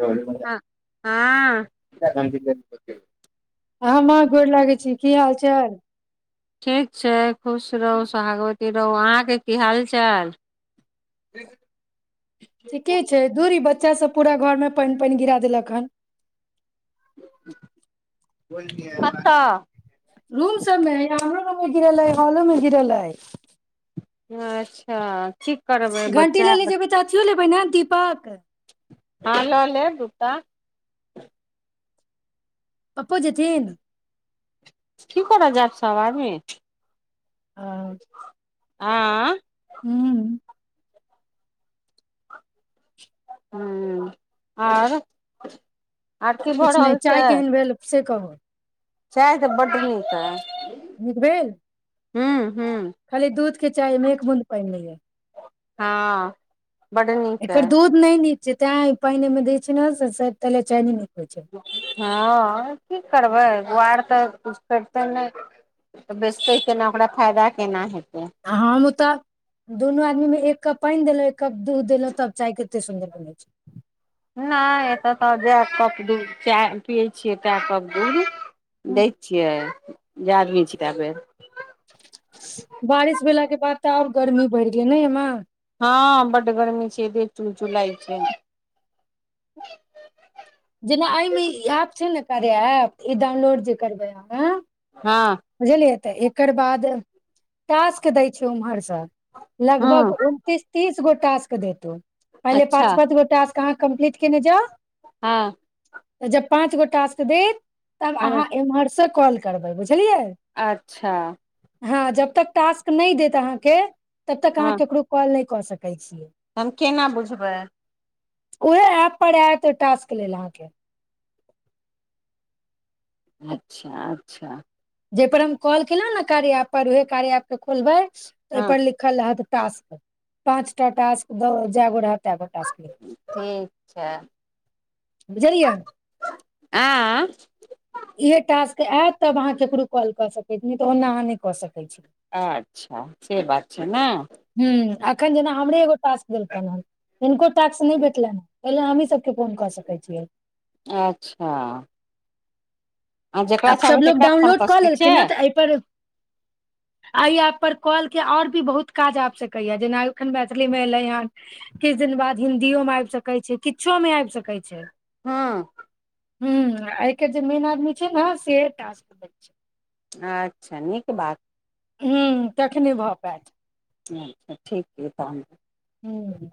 हँ हँ हँ माँ गोर लागै छी की हाल चाल ठीक छै खुश रहू सोहागवती रहू अहाँके की हाल चाल ठीके छै धुर इ ब बच्चा सब पूरा घर मे पानि पानि गिरा देलक हन कतऽ रूम सब मे हया अहाँ रूम मे गिरल‌ए हॉलो मे गिरल‌ए अच्छा करबै घंटी बच्चा लेले जेबै तऽ अथियो ले बै ने दीपक हँ लऽ लेब दूटा पप्पो जेथिन की करऽ जएब सब आदमी ह आँ हं ह्म्म आर आर की भऽ किछु नहि रहल चाय छै केहन भेल से कहू चाय तऽ बड्ड नीक अइ नीक भेल हं खाली दूध के चाय मे एक बूंद पानि नै ए हँ बड्ड नीक एकर अइ दूध नहि नीक जे तें पानि ए मे दै छै ने तैले चाय नय नीक होइ छै हँ की करबै गोआर तऽ किछु करितो नै तऽ बेचतै केना ओकरा फायदा केना हेतै हम तऽ दुनू आदमी मे एक एक कप पानि देलहु एक कप दूध देलहुं तब चाय केते सुन्दर बनै छै नहि एतय तऽ जए कप दूध चाय पियै छियै तए कप दूध छै दै छियै जे आदमी छी तऽ बेर बारिश भेलाके बाद तऽ आर गर्मी बढ़ि गेल नै ए माँ हँ बड गर्मी छै दे चुल चुलाइ छै जेना आइमे आब छै ने कार्य ऐप ई डाउनलोड जे करबै हँ हँ तऽ एकर बाद टासक दय छै उम्हरसँ हँ लगभग उनतीस तीस गोट टासक देत पहिले अच्छा पाँच पाँच गोटे कहाँ कम्प्लीट केने जा हँ तऽ जब पाँच गो टासक देत तब हँ अहाँ एम्हरस कॉल करबै बुझलियै अच्छा हँ जब तक टास्क नहि देत अहाँके तब तक अहाँ हँ केकरो कॉल कऽ सकै हम केना बुझबै उहे ऐप पर आत टास्क लेल अहाँके अच्छा अच्छा जाहि पर हम कॉल केेले ने कार्य आप पर उहे कार्य आप के खोलबे हँ ओयपे लिखल लाद टास्क पचटा टास्क जैगो रहत तै गो टास्क लिखबै, ठीक छै बुझलियै आँ इह टास्क आयत तब अहाँ केकरो कॉल कऽ सकैत नहि तऽ ओन्ना अहाँ नहि कऽ सकैत छी अच्छा से बात छै ने एखन जेना हमरे एगो टास्क देलखनि हेँ तिनको टास्क नहि भेटलनि हेँ ओलेल हमहीँ सभके फोन कऽ सकैत छियै अच्छा आ जेकरा आब चाहबै सबलोग तेकरा फोन डाउनलोड कऽ सकै लेलखिन छियै ने तऽ एहिप आइ आ पर कॉल के आओर भी बहुत काज आबि सकैएा जेना एखन मैथिलीमे एलय हन किछु दिन बाद हिन्दी मे आबि सकैत छै किछो मे आबि सकैत छैक हँ ह आ जे मेन आदमी से [inaudible] अच्छा नीक बात हू तखने भऽ पैत अच्छा ठीक छैक तहन ह्म [unintelligible]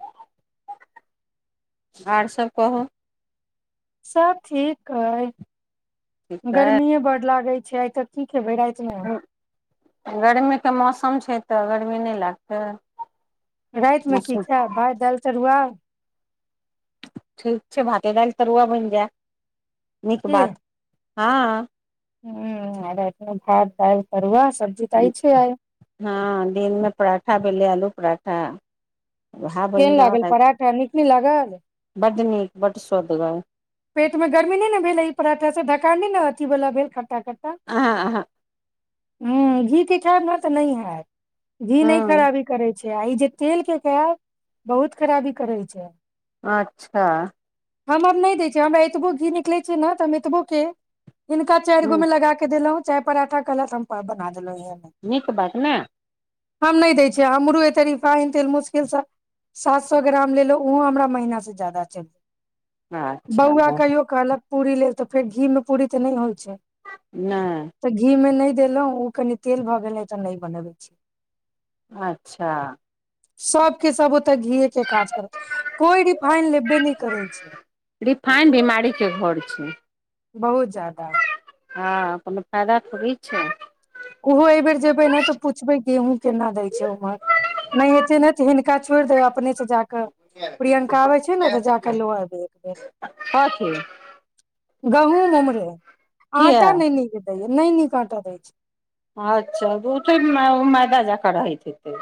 आओर सभ कहू सब ठीक हइ ठीक छै गर्मीए बढ़ लागय [inaudible] बेइ छै ने [unintelligible] गरमीकेँ मौसम छैक तऽ गरमी नहि लागतै राइत मे की मौसम खायब भात दायिल तरुआ ठीक छैक भाते दाल तरुआ बनि जेय नीक बात हँ ह्म रेत मै भात देल तरुआ सब्जी तऽ आइछे आइ हँ दिनमे पराठा भेलै आलू प्र केहन लागल पराठा नीक नहि लागल बड सुवदगर पेट मे गर्मी नइशहि ने भेलय ई पराठा से ढकार नहि ने अथिला भेल ख्ट आह आह हँ घीत खरमे तऽ नहि हैत घी नहि हँ खराबी करय छै जे आई जे तेल केँ केब बहुत खराबी करैत छैक अच्छा हम आर नहि दै छै जे हमरा एतबो घी निकले छैक ने त हम एतबो केँ हीनक ह चारिगो मे लगा केँ देलहु चय पराठा कलत हम प बना देलो हमे नीक बात ने हम नहि दैत छियै हमरू एतेक रिफाइन तेल मुश्किलसँ सात सो ग्राम लेलहुँ ओहो हमरा महीनासँ ज्यादा चलि अच्छा बौआ कहियो कहलक पूरी लेल त फेर घी मे पूरी तऽ नहि होय नहि तऽ घी मे नहि देलहु ओ कनि तेल भऽ गेल तऽ नहि बनबै छी अच्छा सबके सब ओते घी के काज करत कोई रिफाइन लेबे नहि करै छैय। रिफाइन बिमारीके घर छैय। बहुत ज्यादा हँ कोनो फायदा थोड़ी छैय। ओहो एहि बेेर जेबै ने तऽ पुछबै गेहूँ केना दै छैय उम्हर नहि हेते ने तऽ हिनका छोड़ि देब अपने से जााके प्रियंक का अबय छैय ने तऽ जाके ल अबय [inaudible] कथी गहूम उमरे किया आटा नइ नीक नहि नीक आटा दै छैय अच्छा गुथेमे मैदा जका रहैत हेतै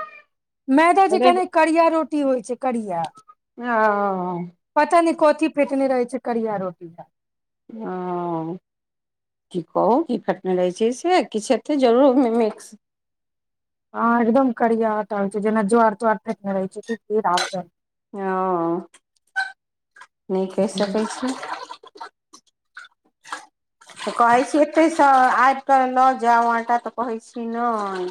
मैदा जे रेड कने करिया रोटी होइ छैय करिया ओ पता नहि कथी फेटने रहय छैय करिया रोटी [inaudible] हाँ की कहू की फेटने रहै छैय से किछु हतै जरूर ओहिमे मिक्स हँ एकदम करिया आटा होइ छैय जेना ज्वार तवार फेटने रहै छैय की कि राम जाने हँ नहि कहि जाने सकै छी त कहै छि एतैसे त आब कऽ लऽ जाउ आटा तऽ कहै छी नयि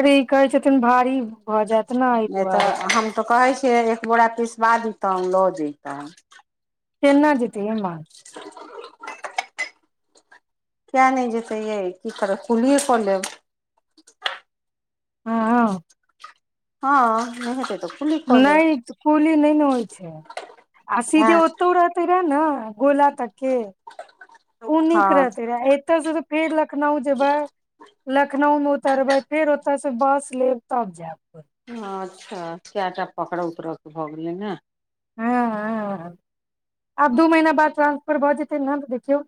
अरे ई कहै छथिन भारी भऽ जायत ने एहि नहि तऽ दुआरे हम तऽ कहै छी एक बोरा पिसबा देतौ लऽ जैतो केना जैतइ इमहर किया नहि जेतै य की कररह कुलिए कऽ लेब हाँ हँ नहि होतै त नहि कुली नहि ने होइ छैय आ सीधे एँ ओतौ रहते रहे ने गोला तके नीक हँ रहतै रहै एतौऽ से तऽ फेर लखनउ जेबै लखनऊ मे उतरबै फेर ओतय से बस लेब तब जायब हाँ अच्छा चारटा पकड़ा उकड़ के भऽ गेलियै ना हँ ह आब दू महीना बाद ट्रांसफर भऽ जेतै ने तऽ देखियौ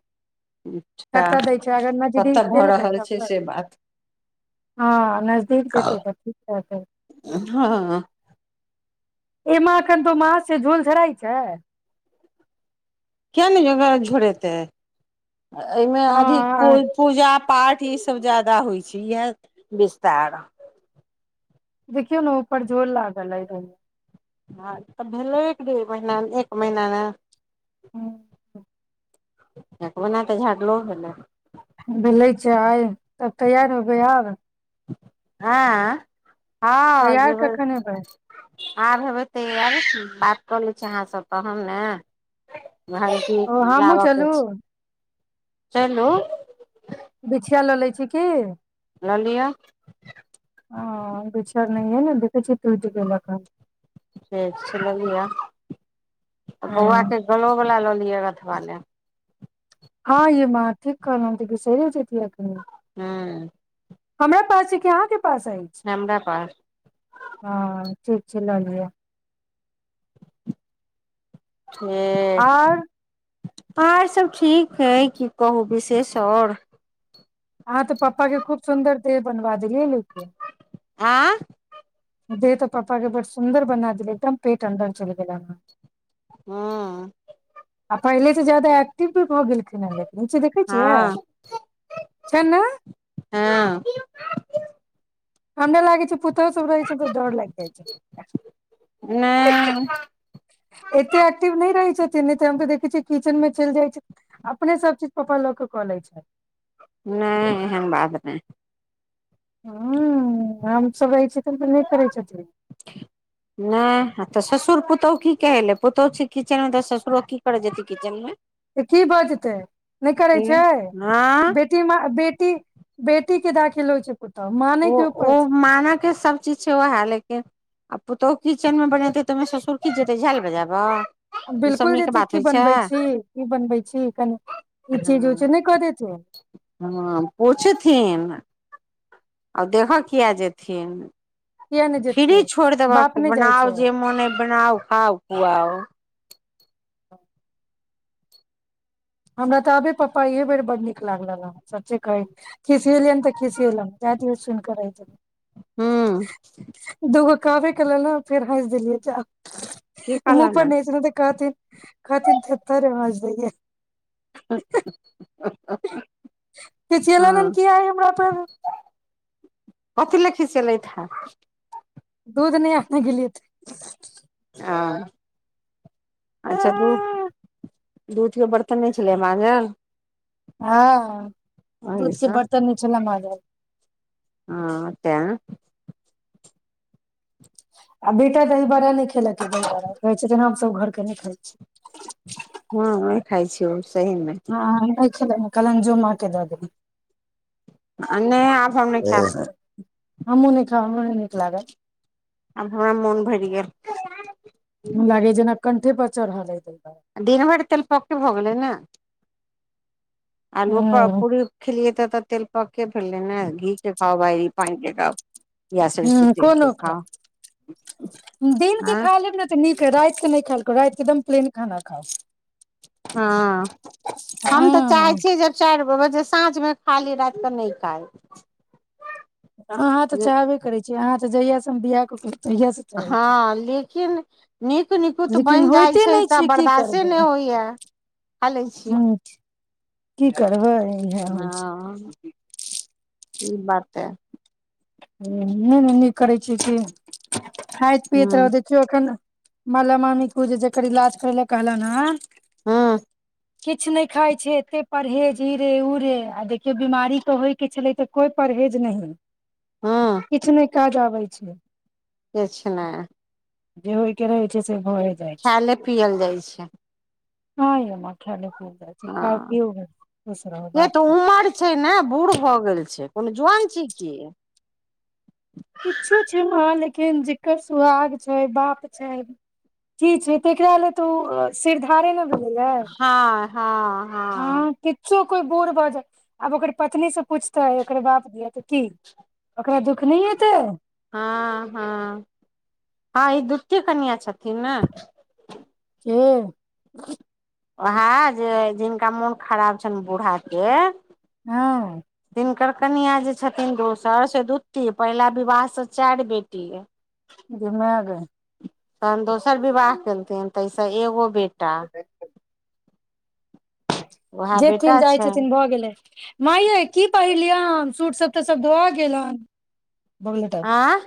अच्छा कतऽ दै छैय अगर नजदीक कतऽ भऽ देलकै रहल तब छै तऽ से बात हाँ नजदीक देतै तऽ ठीक रहतै हँ [unintelligible] किया ने योगा झोड़ेतेै एहिमे अधिक पू हँ पूजा पाठ ई सब ज्यदाा होइ छै इहे विस्तार देखियौ ने ऊपर जोर लागल है रहै हँ तऽ भेलै एक डेढ़ महीना एक महीना मे ह एक ओना तऽ झटलो भेलै भेलै छै आई त तैयार होबै आब हाँ हाँ तैयार जेबै कखन हेबै आब हेबै तऽ तैयार बात कऽ लै छी अहाँसभ तहन ने भइजी ओ हमहुँ लाबऽके चलू छै हेलो बिछिया लऽ लै छी की ललिअ ह बिचार नहि ने देखै छियै टूटि गेल हन ठिक छै ल लिय बौआ हँ के गलो बला ल गथबा लैब [unintelligible] हँ ये माॅं ठीक कहलव हम बिसइरे जइतियै ऐखने हँ हमरा पास छै कि अहाँ के पास अइछ हमरा पास हँ ठीक छै ल ललिअ ठीक आर आर सब ठीक है की कहू विशेष आओर हँ तऽ पप्पा के खूब सुन्दर त बनवा देलियऐ लेके आँ देह तऽ पप्पा के बड़ सुन्दर बना देली एकदम पेट अदर चल गेला अह हँ आ पहिले तऽ ज्यादा एक्टिव भी भऽ गेलखिन हँ लेकिन नीचे देखै हँ छियै ने हँ हमरा लागै छै पु पुतोह सब रहे तऽ डर लाग जाइ छै नहि ऐतेक ऐक्टिव नइह रहै छथिन त हम त देखै छियै किचन मे चलि जाइ छै अपने सब चीज पप्पा लग के कऽ लै छै ने एहन बात नहि हँ हमम सभ रहै छै तऽ नेय करै छथिन नहि तऽ ससुर पुतोह की कहे ले पुतोहु छै किचेन मे तऽ ससुरो की करे जेत किचेन मे त की भऽ जेतै नहि करै छै हँ बेटी म बेटी बेटी टीक के दाखिल होइ छै पुतहु माँ नहि ओ के ओ ऊपर छै मानके सब चीज छै ओ है लेकिन पुतोहु किचनमे बनेतै तऽ ओहिमे ससुर की जेतै झाल बजाबऽ ओ सब बिलकुल नीक जेतै बात की होइ छै बनबै छी की बनबै छी कनी ई चीज ओ हँ चीज नहि कऽ दे थिन हँ पूछथिन आ देखऽ किएक जेथिन किया नहि फिरी जेथिन छोड़ बाप देबऽ नहि जाइ बनाउ छै जे मोने बनाउ खाउ खुआओ [inaudible] हमरा तऽ आबे पपा इे बेर ब् नीक लागल सचे कही खिसिलनियन त खिसिलनियन हूं [unintelligible] कहबे केलन ह फेर हइस की दिलियैन मुह कहलौं पर ने दसलियौ नै तऽ कहथि कहथिन थेथर रेवाज दैए ह चिचयेलन हँ है आय हमरा पेर कथी लै खिसयेलइथ है दूध नहि आने गेलय तय लै हँ अच्छा दू दूधके बर्तन नहि छलै माँगल हँ ओहि दूध के सँ बर्तन नइ छल माजल हँ तें अभी तऽ द बार नहि ख ल कहै छै त सब घर के नहि खाइ छिय हँ अ खाय छी ओ हँ छल कलंजो म के द देी नय आब हम नै खाय हमु ने आब हम मन भरि गेल गेल [unintelligible] लागे जेना कंठे प चढल रहल लतै दिन भर तेल पक होगले ने आलू प दुआरे पूरी खेलिय तऽ तऽ तेल पक्के फेलल ने घी के खाउ बाहरी पान के खाउ या सरिसो ह तेल कोनो के खा खाउ दिन के आँ खा लेब ने तऽ नीक ह रात के नहि खा राइत के एकदम प्लेन खाना खाउ हँ हम तऽ चाहै हँ छीयै जब चरी ओ बजे साँझमे खली रातिकऽ नहि खायइ अहाँ तऽ चाहबे करै छीयै अहाँ जहिया से हम बियाह क के हँ लेकिन नीक निकुत लेकिन बनि जाइत होइते छैय नहि तऽ छै की बर्दास्ते करबै नहि होइए खा लै छी ह की करबै इएह होइ छै हँ ई बात य नहि नहि नीक करै छियै की खाईत पीयत ह रहतय केव एखन माल मम्मी कू जे जकर इलाज करैल कहल ने ह किछु नहि खाइत छैय एतेक परहेज ई रे ओ रे आ देखियौ बिमारीके होयके छलै तऽ कोइ परहेज नहि हँ किछु नहि काज आबै छैय किछ नै जे होइके रहै छैय से भए जाइ छै खायले पियल जाइ छैय हँ य माँ खैले हँ रहू से बात तऽ कर उमर छैय ने बूढ़ भऽ गेल छैय। कोनो जुआन छैय की किछु छैय माँ ले कर सुहाग छैय बाप छैय की छैय तेकरा ले त ओ सिरधारे ने भेलै हँ हँ हँ कोइ बूढ़ भ जा आब ओकर पत्नी से पूछतेै ओकर बाप दिय की ओकरा दुःख नहि हेतै हँ हँ हँ ई दूके कनिआ छथिन ने के उएहा जे जिनका मोन खराब छेन बूढ़ाके हँ हुनकर कनिया जे छथिन दोसर से द्वती‌‌ पहिला विवाह से चारि बेटी गे मैए गे तहन दोसर विवाह केलकै तैसऽ एगो बेटी टा उएह जेथिन बेटा जाइ छनि छथिन भऽ गेलै माई ऐ की पहिर लियैन सूटसभ तऽ सभ धोआ गेलनि [unintelligible] आँ